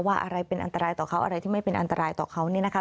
อะไรเป็นอันตรายต่อเขาอะไรที่ไม่เป็นอันตรายต่อเขาเนี่ยนะคะ